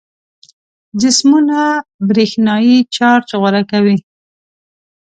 جسمونه برېښنايي چارج غوره کوي.